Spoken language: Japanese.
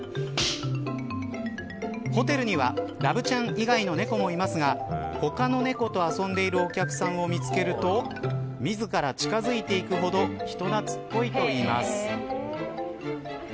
ホテルにはラブちゃん以外の猫もいますが他の猫と遊んでいるお客さんを見つけると自ら近づいていくほど人懐っこいといいます。